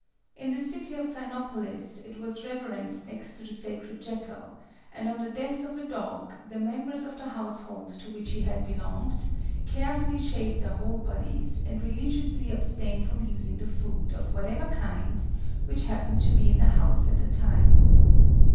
In the city of Cynopolis it was reverenced next to the sacred jackal, and on the death of a dog the members of the household to which he had belonged carefully shaved their whole bodies, and religiously abstained from using the food, of whatever kind, which happened to be in the house at the time.